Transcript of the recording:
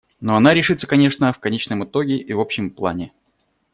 Но она решится, конечно, в конечном итоге и в общем плане.